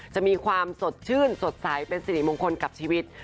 จะมีความสดชื่นสดใสเป็นสิริมงคลกับชีวิต